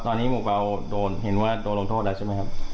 ตอนนี้หมู่เปล่าโดนเห็นว่าโดนลงโทษแล้วใช่ไหมครับ